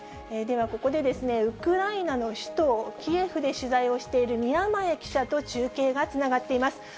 では、ここでウクライナの首都キエフで取材をしている宮前記者と中継がつながっています。